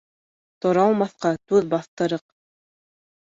Торалмаҫҡа туҙ баҫтырыҡ.